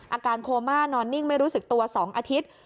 อาการโคม่านอนนิ่งไม่รู้สึกตัว๒อาทิตย์